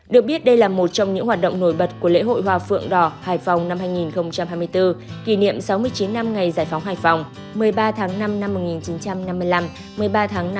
được biết đây là một trong những hoạt động nổi bật của lễ hội hoa phượng đỏ hải phòng năm hai nghìn hai mươi bốn kỷ niệm sáu mươi chín năm ngày giải phóng hải phòng